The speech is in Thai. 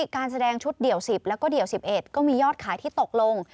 การแสดงชุดเดี่ยว๑๐แล้วก็เดี่ยว๑๑ก็มียอดขายที่ตกลง